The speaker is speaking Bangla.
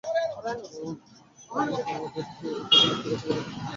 আমি তোমাকে এর থেকে মুক্ত করতে পারি, কিন্তু সেটা কেবল এখনই।